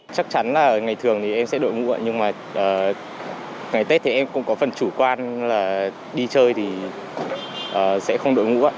chắc chắn là ngày thường thì em sẽ đội ngũ nhưng mà ngày tết thì em cũng có phần chủ quan là đi chơi thì sẽ không đội ngũ ạ